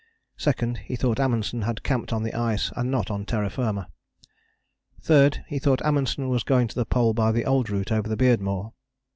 Second, he thought Amundsen had camped on the ice and not on terra firma. Third, he thought Amundsen was going to the Pole by the old route over the Beardmore.